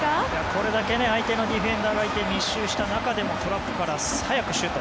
これだけ相手のディフェンダーがいて密集した中でもトラップから早くシュート。